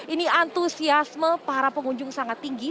ini antusiasme para pengunjung sangat tinggi